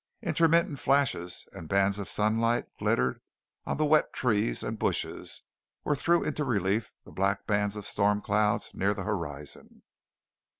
Intermittent flashes and bands of sunlight glittered on the wet trees and bushes or threw into relief the black bands of storm clouds near the horizon.